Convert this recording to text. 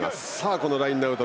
このラインアウト